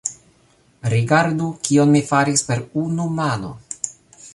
Rigardu kion mi faris per unu mano!